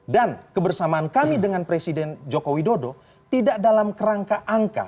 dan kebersamaan kami dengan presiden jokowi dodo tidak dalam kerangka angka